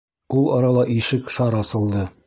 Ул арала ишек шар асылды.